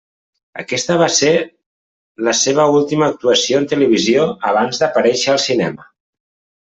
Aquesta va ser la seva última actuació en televisió abans d'aparèixer al cinema.